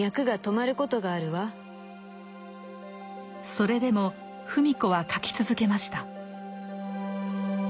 それでも芙美子は書き続けました。